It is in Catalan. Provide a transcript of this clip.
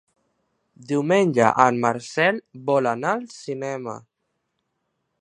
Diumenge en Marcel vol anar al cinema.